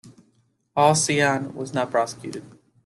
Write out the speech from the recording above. Aw Sian was not prosecuted.